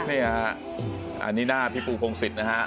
นี่ฮะอันนี้หน้าพี่ปูพงศิษย์นะฮะ